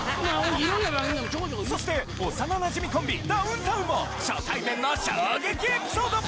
そして幼なじみコンビダウンタウンも初対面の衝撃エピソード！